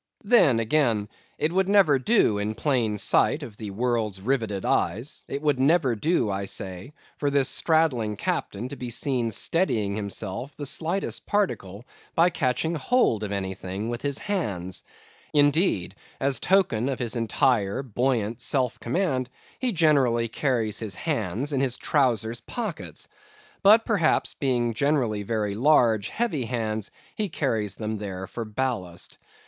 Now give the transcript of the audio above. Then, again, it would never do in plain sight of the world's riveted eyes, it would never do, I say, for this straddling captain to be seen steadying himself the slightest particle by catching hold of anything with his hands; indeed, as token of his entire, buoyant self command, he generally carries his hands in his trowsers' pockets; but perhaps being generally very large, heavy hands, he carries them there for ballast.